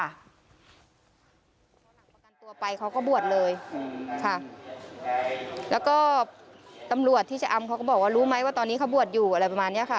ประกันตัวไปเขาก็บวชเลยค่ะแล้วก็ตำรวจที่ชะอำเขาก็บอกว่ารู้ไหมว่าตอนนี้เขาบวชอยู่อะไรประมาณเนี้ยค่ะ